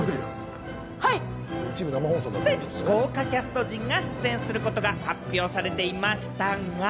すでに豪華キャスト陣が出演することが発表されていましたが、